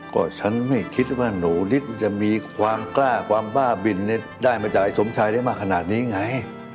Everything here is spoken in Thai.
ก็ฉันไม่คิดว่าหนูนิดจะมีความกล้าความบ้าบินได้มาจากไอ้สมชัยได้มากขนาดนี้ไง